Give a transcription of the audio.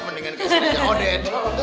mendingan kayak si raja oden